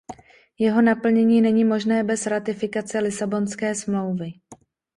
Jeho naplnění není možné bez ratifikace Lisabonské smlouvy.